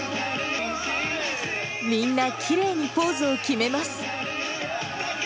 みんなきれいにポーズを決めます。